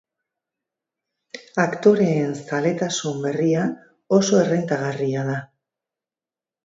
Aktoreen zaletasun berria oso errentagarria da.